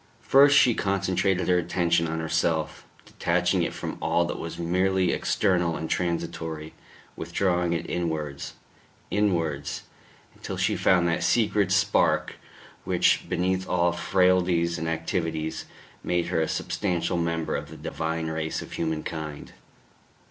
First she concentrated her attention on herself, detaching it from all that was merely external and transitory, withdrawing it inwards ... inwards, until she found that secret spark which, beneath all frailties and activities, made her a substantial member of the divine race of humankind.